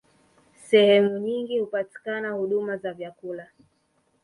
Sehemu nyingi hupatikana huduma za vyakula